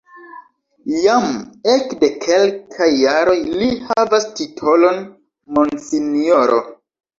Jam ekde kelkaj jaroj li havas titolon "Monsinjoro".